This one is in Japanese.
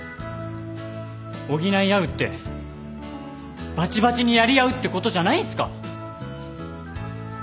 補い合うってバチバチにやり合うってことじゃないんすか？